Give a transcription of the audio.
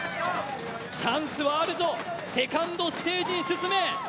チャンスはあるぞ、セカンドステージに進め。